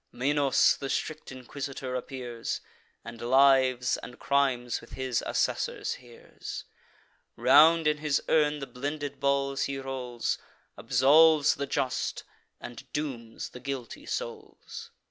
Minos, the strict inquisitor, appears; And lives and crimes, with his assessors, hears. Round in his urn the blended balls he rolls, Absolves the just, and dooms the guilty souls.